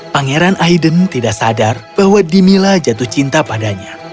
pangeran aiden tidak sadar bahwa dimila jatuh cinta padanya